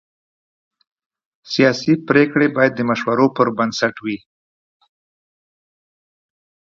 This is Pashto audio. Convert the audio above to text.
سیاسي پرېکړې باید د مشورو پر بنسټ وي